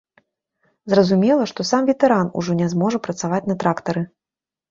Зразумела, што сам ветэран ужо не зможа працаваць на трактары.